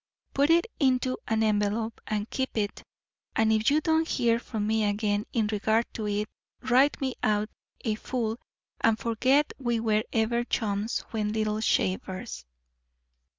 Put it into an envelope and keep it, and if you don't hear from me again in regard to it, write me out a fool and forget we were ever chums when little shavers."